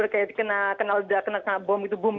kayak kena ledak kena bom gitu